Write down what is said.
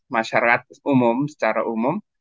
masyarakat umum secara umum